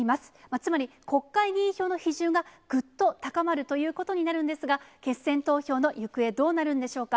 つまり、国会議員票の比重がぐっと高まるということになるんですが、決選投票の行方、どうなるんでしょうか。